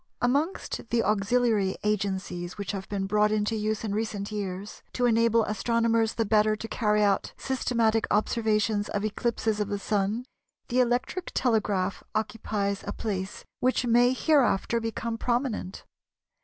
Amongst the auxiliary agencies which have been brought into use in recent years, to enable astronomers the better to carry out systematic observations of eclipses of the Sun, the electric telegraph occupies a place which may hereafter become prominent.